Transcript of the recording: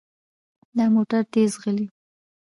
دا موټر تیز ځغلي.